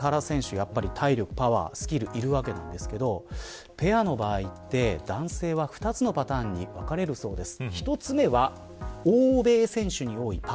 やっぱり体力、パワー、スキルいるわけなんですけどペアの場合って男性は２つのパターンに分かれるそうです。